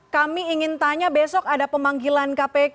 kami ingin tanya besok ada pemanggilan kpk